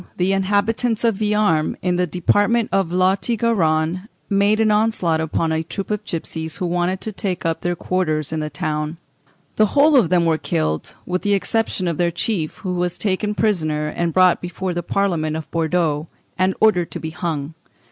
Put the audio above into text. ] In 1632, the inhabitants of Viarme, in the Department of Lot et Garonne, made an onslaught upon a troop of gipsies who wanted to take up their quarters in that town. The whole of them were killed, with the exception of their chief, who was taken prisoner and brought before the Parliament of Bordeaux, and ordered to be hung.